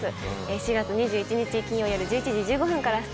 ４月２１日金曜よる１１時１５分からスタートです。